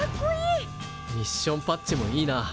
ミッションパッチもいいな。